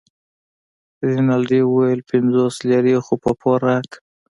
رینالډي وویل پنځوس لیرې خو په پور راکړه.